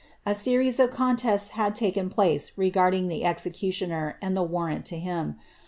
A series of contests had taken ding the executioner, and the warrant to him.